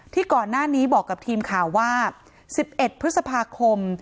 ก่อนหน้านี้บอกกับทีมข่าวว่า๑๑พฤษภาคม